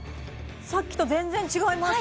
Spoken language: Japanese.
さっきと全然違います